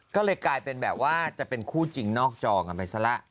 ก็เลยกลายเป็นแบบว่าจะเป็นคู่จริงนอกจอกันไปซะละ